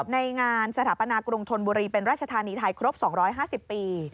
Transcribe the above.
ในงานสถาปนากรุงธนบุรีเป็นราชธานีไทยครบ๒๕๐ปี